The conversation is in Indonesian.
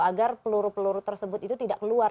agar peluru peluru tersebut itu tidak keluar